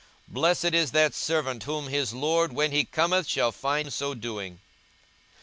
42:012:043 Blessed is that servant, whom his lord when he cometh shall find so doing.